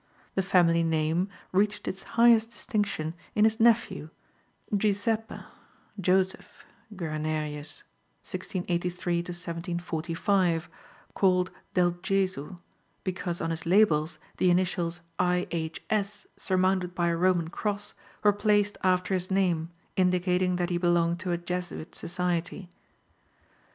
The family name reached its highest distinction in his nephew, Giuseppe (Joseph) Guarnerius (1683 1745), called del Gesu, because on his labels the initials I. H. S., surmounted by a Roman cross, were placed after his name, indicating that he belonged to a Jesuit society.